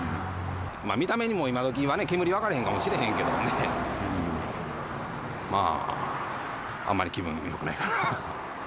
見た目にも、今どきは煙分かれへんかもしれへんけどね、まあ、あんまり気分よくないかな。